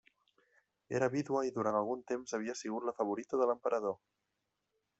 Era vídua i durant algun temps havia sigut la favorita de l'emperador.